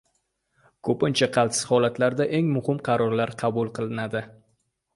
• Ko‘pincha qaltis holatlarda eng muhim qarorlar qabul qilinadi.